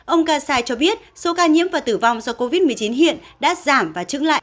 ông kassai cho biết số ca nhiễm và tử vong do covid một mươi chín hiện đã giảm và trứng lại